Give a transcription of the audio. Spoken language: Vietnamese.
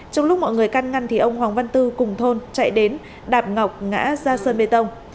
trong lúc mọi người căn ngăn thì ông hoàng văn tư cùng thôn chạy đến đạp ngọc ngã ra sơn bê tông